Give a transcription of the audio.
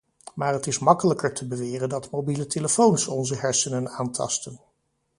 Maar het is makkelijker te beweren dat mobiele telefoons onze hersenen aantasten.